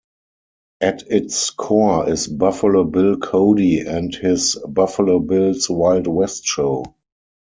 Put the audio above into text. At its core is Buffalo Bill Cody and his "Buffalo Bill's Wild West Show".